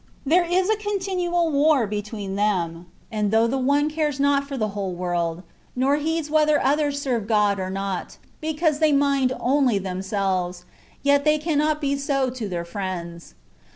There is a continual war between them ; and though the one cares not for the whole world, nor heeds whether others serve God or not, because they mind only themselves, yet they cannot be so to their friends.